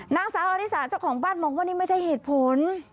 นางสาวอริสาเจ้าของบ้านมองว่านี่ไม่ใช่เหตุผล